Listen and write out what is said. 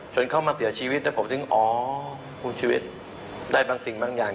เข้ามาเสียชีวิตแล้วผมถึงอ๋อคุณชีวิตได้บางสิ่งบางอย่าง